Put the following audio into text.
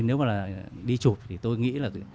nếu mà đi chụp thì tôi nghĩ là